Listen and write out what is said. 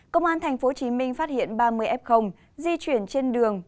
công an tp hcm phát hiện ba mươi f di chuyển trên đường